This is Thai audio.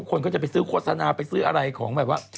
คนก็จะไปซื้อโฆษณาไปซื้ออะไรของแบบว่า